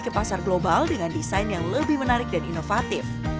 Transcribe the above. ke pasar global dengan desain yang lebih menarik dan inovatif